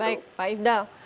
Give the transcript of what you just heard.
baik pak ifdal